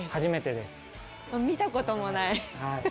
見たこともない。